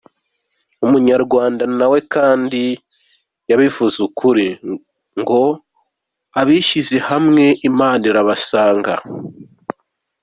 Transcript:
Umunyarwanda nawe kandi yabivuze ukuri ngo “abishyize hamwe Imana irabasanga”.